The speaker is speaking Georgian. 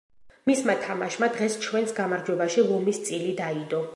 მისმა თამაშმა დღეს ჩვენს გამარჯვებაში ლომის წილი დაიდო.